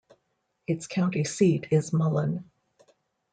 Its county seat is Mullen.